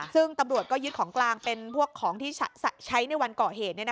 ซึ่งตำรวจก็ยึดของกลางเป็นพวกของที่ใช้ในวันก่อเหตุ